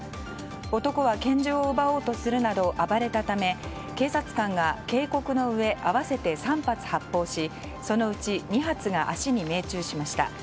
男は拳銃を奪おうとするなど暴れたため、警察官が警告のうえ合わせて３発発砲しそのうち２発が足に命中しました。